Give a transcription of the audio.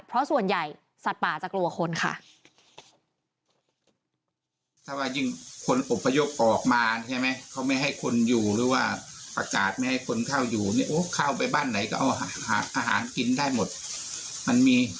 เพราะส่วนใหญ่สัตว์ป่าจะกลัวคนค่ะ